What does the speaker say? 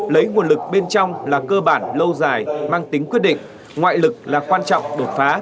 lấy nguồn lực bên trong là cơ bản lâu dài mang tính quyết định ngoại lực là quan trọng đột phá